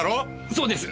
そうです。